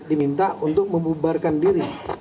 diminta untuk membubarkan diri